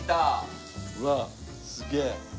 うわっすげえ。